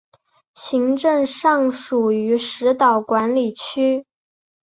行政上属于石岛管理区。